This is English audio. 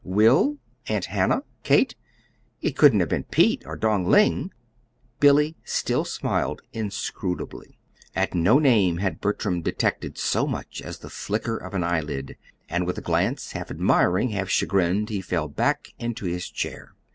Will? Aunt Hannah? Kate? It couldn't have been Pete, or Dong Ling!" Billy still smiled inscrutably. At no name had Bertram detected so much as the flicker of an eyelid; and with a glance half admiring, half chagrined, he fell back into his chair.